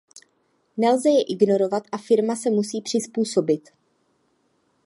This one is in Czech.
Nelze je ignorovat a firma se musí přizpůsobit.